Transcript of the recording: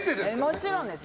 もちろんです。